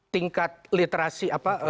tingkat literasi berapa